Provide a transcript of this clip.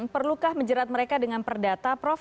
perlukah menjerat mereka dengan perdata prof